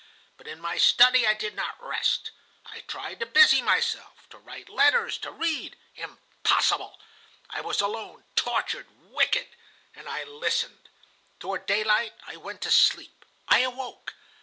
But in my study I did not rest. I tried to busy myself, to write letters, to read. Impossible! I was alone, tortured, wicked, and I listened. Toward daylight I went to sleep. I awoke.